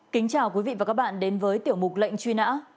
kính chào quý vị và các bạn đến với tiểu mục lệnh truy nã